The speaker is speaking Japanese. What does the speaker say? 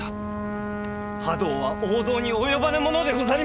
覇道は王道に及ばぬものでござりまする！